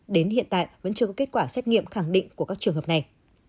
đến hiện tại vẫn chưa có kết quả xét nghiệm khẳng định của các trường hợp này